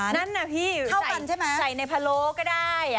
นั้นอ่ะพี่ใส่ในผลโรกก็ได้